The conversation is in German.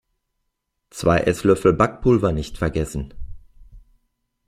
Zwei Esslöffel Backpulver nicht vergessen.